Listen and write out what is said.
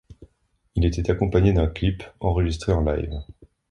Il était accompagné d'un clip enregistré en live.